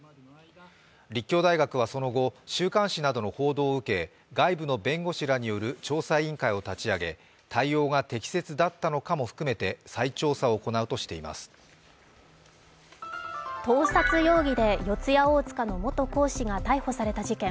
立教大学はその後、週刊紙などの報道を受け、外部の弁護士らによる調査委員会を立ち上げ対応が適切だったのかも含めて盗撮容疑で四谷大塚の元講師が逮捕された事件。